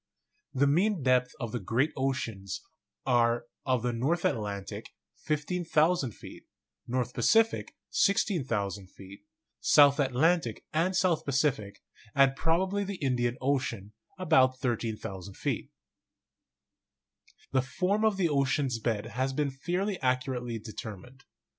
The mean depths of the great oceans are: of the North Atlantic, 15,000 feet; North Pacific, 16,000 feet; South Atlantic and South Pacific, and probably the Indian Ocean, about 13,000 feet. The form of the ocean's bed has been fairly accurately determined.